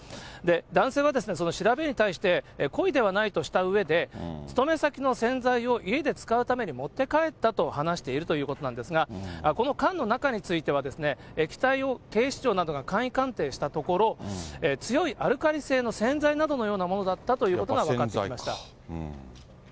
男性はその調べに対して、故意ではないとしたうえで、勤め先の洗剤を家で使うために持って帰ったと話しているということなんですが、この缶の中については、液体を警視庁などが簡易鑑定したところ、強いアルカリ性の洗剤などのようなものだったということが分かっ